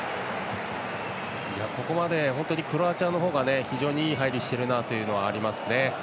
ここまでクロアチアのほうが非常にいい入りをしているなというのがありますね。